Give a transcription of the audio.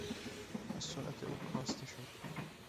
از سرعت او کاسته شد.